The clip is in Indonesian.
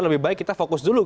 lebih baik kita fokus dulu